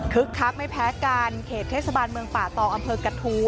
คักไม่แพ้กันเขตเทศบาลเมืองป่าตองอำเภอกระทู้